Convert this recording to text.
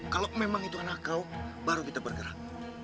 kalau memang itu anak kau baru kita bergerak